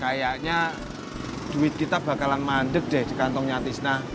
kayaknya duit kita bakalan mandek deh di kantongnya tisna